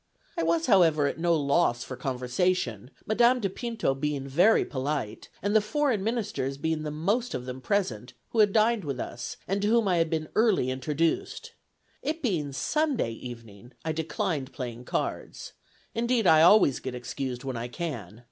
I was, however, at no loss for conversation, Madame de Pinto being very polite, and the Foreign Ministers being the most of them present, who had dined with us, and to whom I had been early introduced. It being Sunday evening, I declined playing cards; indeed, I always get excused when I can.